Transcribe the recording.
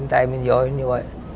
tại mình giỏi như vậy